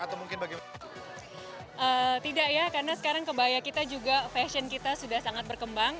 tidak ya karena sekarang kebaya kita juga fashion kita sudah sangat berkembang